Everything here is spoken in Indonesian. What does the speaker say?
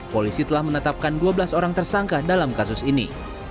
polisi telah menetapkan dua belas orang tersangka dalam kasus ini